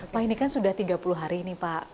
pak ini kan sudah tiga puluh hari ini pak